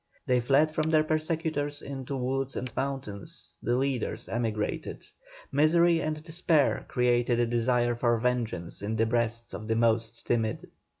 They fled from their persecutors into the woods and mountains; the leaders emigrated. Misery and despair created a desire for vengeance in the breasts of the most timid.